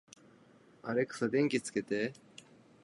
アレクサ、電気をつけて